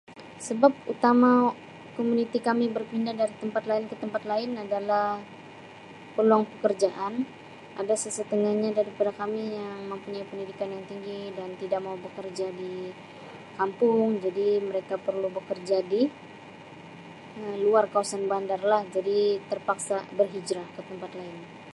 Sebab utama komuniti kami berpindah dari tempat lain ke tempat lain adalah peluang pekerjaan ada sesetengahnya daripada kami yang mempunyai pendidikan yang tinggi yang tidak mau bekerja di kampung, jadi mereka perlu bekerja di luar kawasan bandar lah jadi terpaksa berhijrah ke tempat lain.